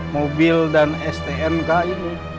mobil dan stnk ini